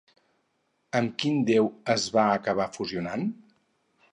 Amb quin déu es va acabar fusionant?